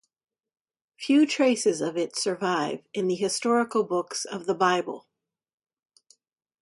Few traces of it survive in the historical books of the Bible.